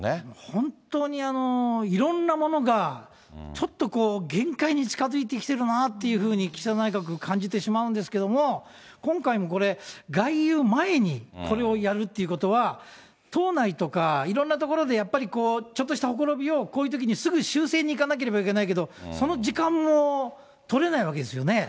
本当にいろんなものがちょっとこう、限界に近づいてきてるなっていうふうに、岸田内閣に感じてしまうんですけども、今回もこれ、外遊前にこれをやるっていうことは、党内とかいろんなところでやっぱりこう、ちょっとしたほころびを、こういうときにすぐ修正に行かなければいけないけど、その時間も取れないわけですよね。